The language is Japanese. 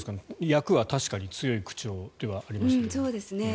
訳は確かに強い口調ではありましたが。